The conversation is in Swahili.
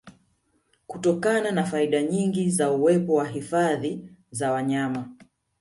Kutokana na faida nyingi za uwepo wa Hifadhi za wanyama